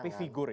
tapi figur ya